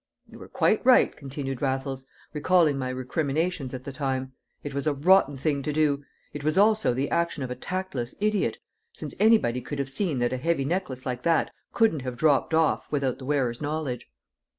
"You were quite right," continued Raffles, recalling my recriminations at the time; "it was a rotten thing to do. It was also the action of a tactless idiot, since anybody could have seen that a heavy necklace like that couldn't have dropped off without the wearer's knowledge."